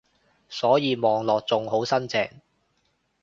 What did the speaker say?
所以望落仲好新淨